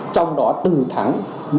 trong đó từ tháng một